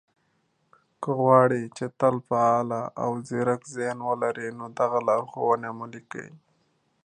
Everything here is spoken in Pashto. که غواړئ، چې تل فعال او ځيرک ذهن ولرئ، نو دغه لارښوونې عملي کړئ